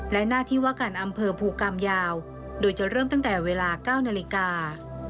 และหน้าที่ว่าการอำเภอภูกรรมยาวโดยจะเริ่มตั้งแต่เวลา๙นาฬิกา